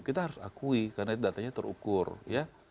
kita harus akui karena datanya terukur ya